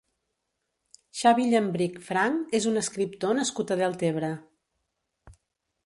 Xavi Llambrich Franch és un escriptor nascut a Deltebre.